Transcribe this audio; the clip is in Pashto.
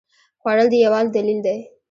خوړل د یووالي دلیل دی